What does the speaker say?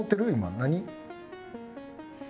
何？